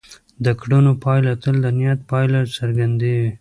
د کړنو پایله تل د نیت پایله څرګندوي.